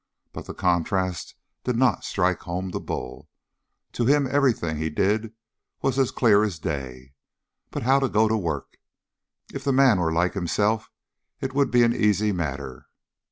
But the contrast did not strike home to Bull. To him everything that he did was as clear as day. But how to go to work? If the man were like himself it would be an easy matter.